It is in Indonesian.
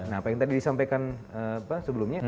yang tadi disampaikan sebelumnya